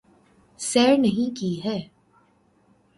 سیر نہیں کی ہے